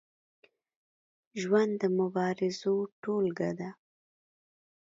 ژوند د مبارزو ټولګه ده.